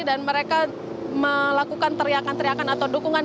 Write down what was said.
dan mereka melakukan teriakan teriakan atau dukungan